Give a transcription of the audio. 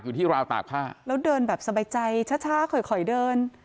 อยู่ที่ราวตากผ้าแล้วเดินแบบสบายใจช้าช้าค่อยค่อยเดิน